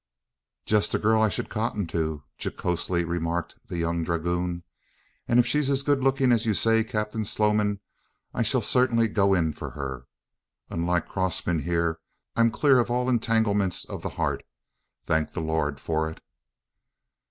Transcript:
"Just the girl I should cotton to," jocosely remarked the young dragoon. "And if she's as good looking as you say, Captain Sloman, I shall certainly go in for her. Unlike Crossman here, I'm clear of all entanglements of the heart. Thank the Lord for it!"